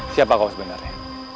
siapa kau sebenarnya